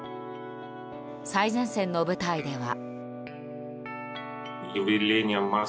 最前線の部隊では。